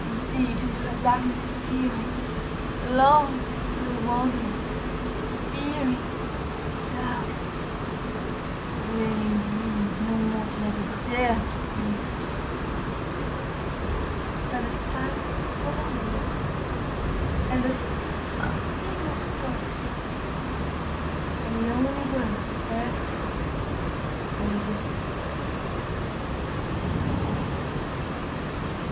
Deep into that darkness peering, long I stood there wondering, fearing, 25 Doubting, dreaming dreams no mortals ever dared to dream before; But the silence was unbroken, and the stillness gave no token, And the only word there spoken was the whispered word, "Lenore?"